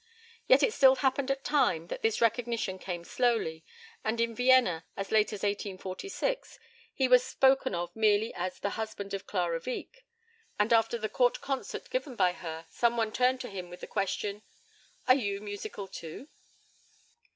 Yet it still happened at times that this recognition came slowly, and in Vienna, as late as 1846, he was spoken of merely as the husband of Clara Wieck, and after the court concert given by her, some one turned to him with the question: "Are you musical, too?"